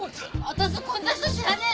私こんた人知らねえ。